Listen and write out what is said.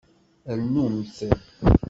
Rnumt!